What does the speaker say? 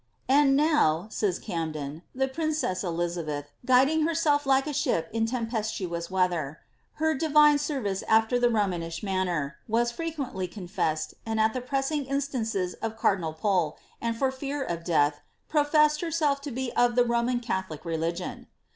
'* And now," says Camden, " the princess Elizabeth, guiding herseh like a ship in tempestuous weather, heard divine service after the Ro mish manner, was frequently confessed, and at the pressing instances of cardinal Pole, and for fear of death, professed herself to be of the Ro man catholic religion."